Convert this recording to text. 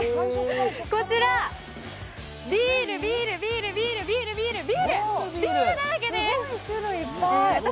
こちら、ビール、ビール、ビール、ビール、ビール、ビールだらけです。